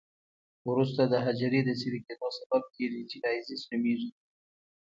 وروسته د حجري د څیرې کیدو سبب کیږي چې لایزس نومېږي.